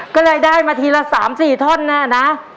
ก็เลยได้มาทีละ๓๔ท่อนแน่นะ